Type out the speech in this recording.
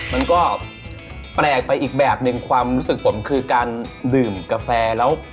มันก็แปลกไปอีกแบบหนึ่งความรู้สึกผมคือการดื่มกาแฟแล้ว